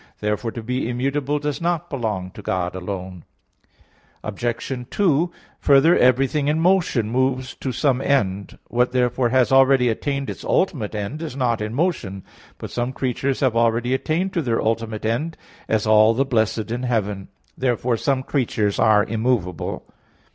Therefore to be immutable does not belong to God alone. Obj. 2: Further, everything in motion moves to some end. What therefore has already attained its ultimate end, is not in motion. But some creatures have already attained to their ultimate end; as all the blessed in heaven. Therefore some creatures are immovable.